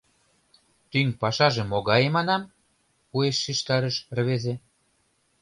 — Тӱҥ пашаже могае, манам? — уэш шижтарыш рвезе.